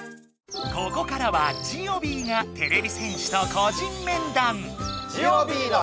ここからはジオビーがてれび戦士とこじんめんだん。